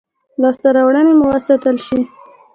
لاسته راوړنې مو وساتل شي.